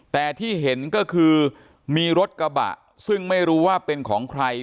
แต่ที่เห็นก็คือมีรถกระบะซึ่งไม่รู้ว่าเป็นของใคร